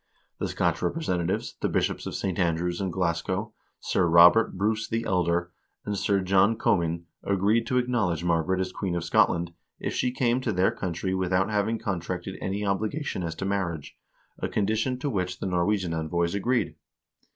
The Scotch representatives, the bishops of St. Andrews and Glasgow, Sir Robert Bruce the Elder, and Sir John Comyn, agreed to acknowl edge Margaret as queen of Scotland, if she came to their country without having contracted any obligation as to marriage, a condi tion to which the Norwegian envoys agreed.